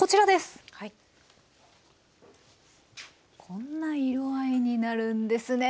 こんな色合いになるんですね。